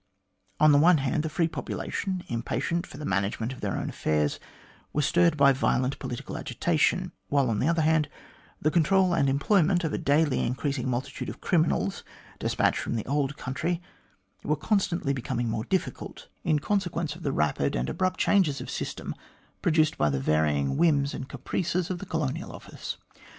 On the one hand, the free population, impatient for the management of their own affairs, were stirred by violent political agitation ; while, on the other hand, the control and employment of a daily increasing multitude of criminals, despatched from the old country, were constantly becoming more difficult in A GRIEVOUS ERROR OF MR GLADSTONE'S 169' consequence of the rapid and abrupt changes of system produced by the varying whims and caprices of the Colonial Office.